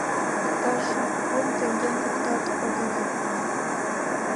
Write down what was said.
Иктаж кум теҥгем луктат-огыла.